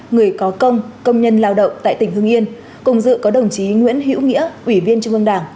người có công công nhân lao động tại tỉnh hưng yên cùng dự có đồng chí nguyễn hữu nghĩa ủy viên trung ương đảng